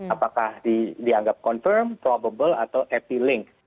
apakah dianggap confirm probable atau epi link